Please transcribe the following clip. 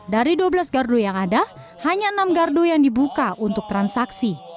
dari dua belas gardu yang ada hanya enam gardu yang dibuka untuk transaksi